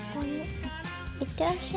行ってらっしゃい。